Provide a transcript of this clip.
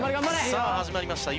さあ始まりました。